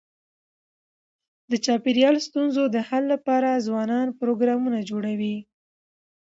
د چاپېریال ستونزو د حل لپاره ځوانان پروګرامونه جوړوي.